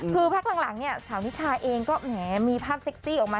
คือพักหลังเนี่ยสาวนิชาเองก็แหมมีภาพเซ็กซี่ออกมา